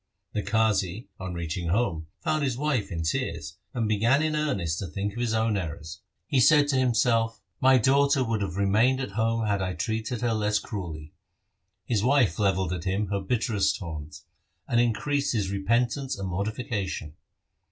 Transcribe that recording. The Qazi, on reaching home, found his wife in tears, and began in earnest to think of his own errors. 46 THE SIKH RELIGION He said to himself, ' My daughter would have remained at home had I treated her less cruelly.' His wife levelled at him her bitterest taunts, and increased his repentance and mortification.